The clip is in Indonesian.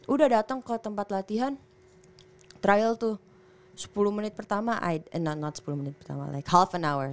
udah dateng ke tempat latihan trial tuh sepuluh menit pertama not sepuluh menit pertama like half an hour